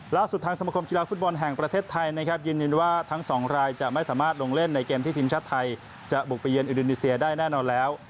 ล่าสุดทางสมคมกีฬาฟุตบอลแห่งประเทศไทยนะครับยืนยันว่าทั้งสองรายจะไม่สามารถลงเล่นในเกมที่ทีมชาติไทยจะบุกไปเยือนอินโดนีเซียได้แน่นอนแล้ว